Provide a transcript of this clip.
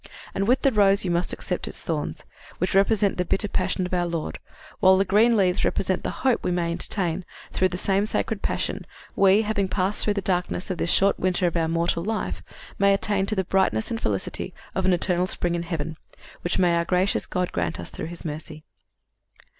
And with the rose you must accept its thorns, which represent the bitter passion of Our Lord, while the green leaves represent the hope we may entertain that, through the same sacred passion, we, having passed through the darkness of this short winter of our mortal life, may attain to the brightness and felicity of an eternal spring in heaven, which may our gracious God grant us through His mercy."